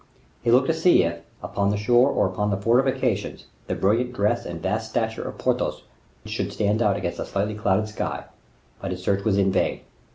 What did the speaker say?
He looked to see if, upon the shore or upon the fortifications the brilliant dress and vast stature of Porthos should stand out against a slightly clouded sky; but his search was in vain.